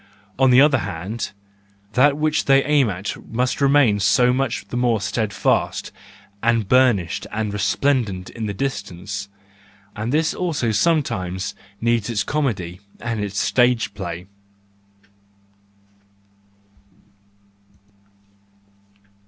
On the other hand, that which they aim at must remain so much the more steadfast, and burnished and resplendent in the distance,—and this also sometimes needs its comedy and its stage play.